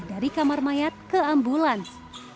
dari kamar mayat ke ambulans